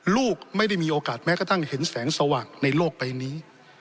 ลูกไม่ได้มีโอกาสแม้กระทั่งเห็นแสงสว่างในโลกใบนี้